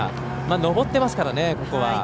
上ってますからね、ここは。